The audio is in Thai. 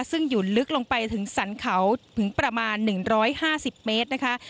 ซึ่งอยู่ลึกลงไปถึงสรรเขาถึงประมาณ๑๕๐เมตรนะคะ